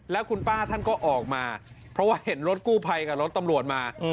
แล้วคุณป้าท่านก็ออกมาเพราะว่าเห็นรถกู้ภัยกับรถตำรวจมา